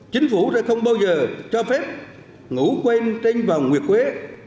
chính phủ sẽ không bao giờ cho phép ngủ quên trên vòng nguyệt quế